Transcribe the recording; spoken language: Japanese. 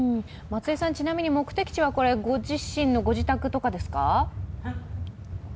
ちなみに目的地はご自身のご自宅とかですか？